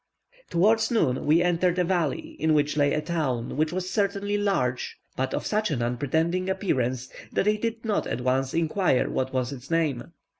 Towards noon we entered a valley in which lay a town, which was certainly large, but of such an unpretending appearance, that I did not at once inquire what was its name.